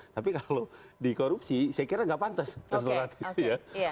tapi kalau di korupsi saya kira enggak pantas restoratif